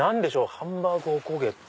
ハンバーグ・おこげって。